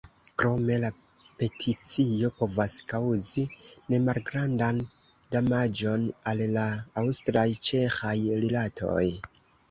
Krome la peticio povas kaŭzi nemalgrandan damaĝon al la aŭstraj-ĉeĥaj rilatoj.